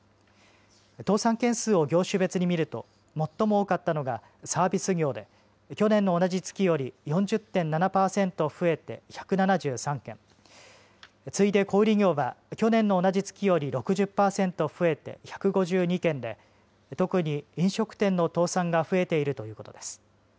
倒産件数を業種別に見ると最も多かったのがサービス業で去年の同じ月より４０．７％増えて１７３件、次いで小売業は去年の同じ月より６０％増えて１５２件で特に飲食店の倒産が増えているということです。